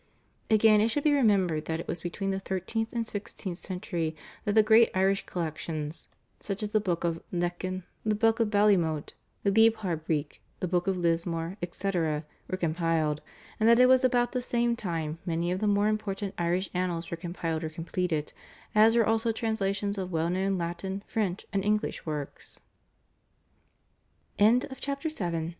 Again it should be remembered that it was between the thirteenth and sixteenth centuries that the great Irish collections such as the Book of Lecan, the Book of Ballymote, the Leabhar Breac, the Book of Lismore, etc., were compiled, and that it was about the same time many of the more important Irish Annals were compiled or completed, as were also translations of well known Latin, French, and English works. Hardiman, /A Statute